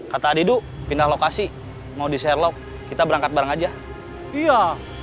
kata adidu pindah lokasi mau di sherlock kita berangkat bareng aja iya